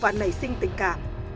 nảy sinh tình cảm